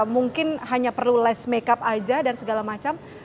mungkin hanya perlu less makeup aja dan segala macam